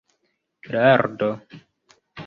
lardo